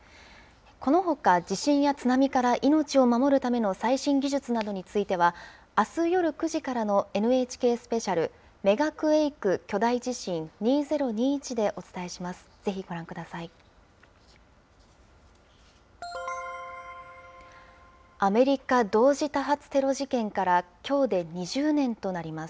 このほか地震や津波から命を守るための最新技術などについては、あす夜９時からのＮＨＫスペシャル、ＭＥＧＡＱＵＡＫＥ巨大地震２０２１でお伝えします。